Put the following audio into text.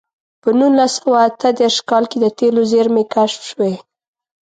په نولس سوه اته دېرش کال کې د تېلو زېرمې کشف شوې.